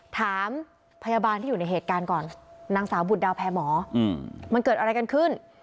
ถามพยาบาลที่อยู่ในเหตุการณ์ก่อนนางสาวบุตรดาวแพร่หมอมันเกิดอะไรกันขึ้น